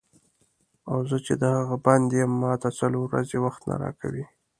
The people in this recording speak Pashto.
او زه چې د هغه بنده یم ماته څلور ورځې وخت نه راکوې.